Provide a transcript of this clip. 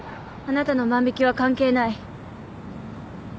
あなたの万引きは関係ない。